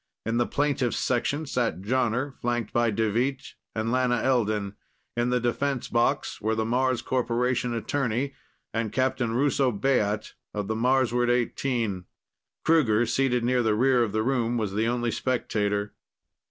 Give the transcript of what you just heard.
In the plaintiff's section sat Jonner, flanked by Deveet and Lana Elden. In the defense box were the Mars Corporation attorney and Captain Russo Baat of the Marsward XVIII. Kruger, seated near the rear of the room, was the only spectator.